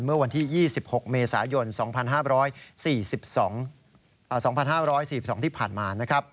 เมื่อวันที่๒๖เมษายน๒๕๔๒ที่ผ่านมา